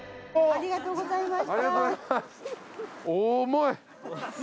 ありがとうございます。